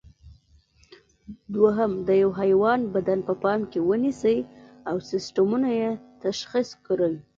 دوهم: د یوه حیوان بدن په پام کې ونیسئ او سیسټمونه یې تشخیص کړئ.